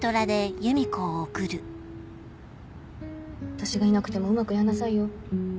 私がいなくてもうまくやんなさいよ。